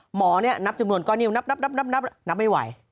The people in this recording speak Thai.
หมอนับจำนวนก้อนนิ้วนับนับไม่ไหว